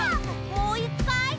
もういっかい！